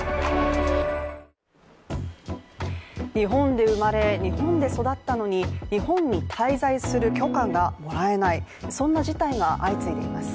日本で生まれ、日本で育ったのに日本に滞在する許可がもらえない、そんな事態が相次いでいます。